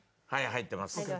入ってます？